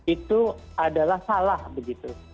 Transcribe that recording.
itu adalah salah begitu